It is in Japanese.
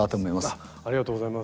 ありがとうございます。